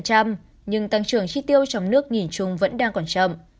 nhưng tăng trưởng chi tiêu trong nước nhìn chung vẫn đang còn chậm